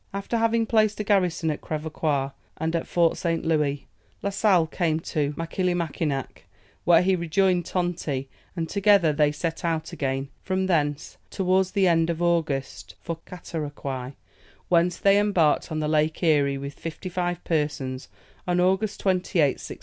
After having placed a garrison at Crèvecoeur and at Fort St. Louis, La Sale came to Machillimackinac, where he rejoined Tonti, and together they set out again from thence towards the end of August for Catarocouy, whence they embarked on the Lake Erie with fifty five persons, on August 28th, 1681.